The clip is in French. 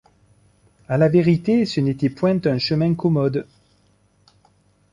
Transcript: À la vérité, ce n’était point un chemin commode.